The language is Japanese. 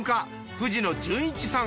藤野純一さん。